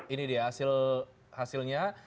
ini dia hasilnya